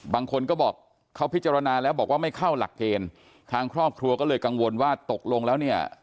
บางคนก็บอกเขาพิจารณาแล้วบอกว่าไม่เข้าหลักเกณฑ์ทางครอบครัวก็เลยกังวลว่าตกลงแล้วเนี่ย